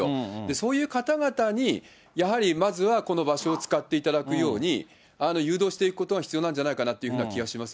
そういう方々に、やはりまずは、この場所を使っていただくように、誘導していくことが必要なんじゃないかなというような気がします